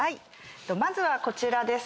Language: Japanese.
まずはこちらです。